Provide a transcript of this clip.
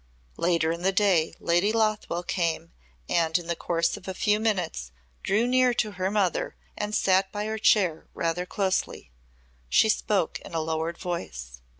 Later in the day Lady Lothwell came and in the course of a few minutes drew near to her mother and sat by her chair rather closely. She spoke in a lowered voice.